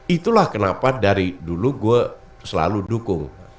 itulah kenapa dari dulu gue selalu dukung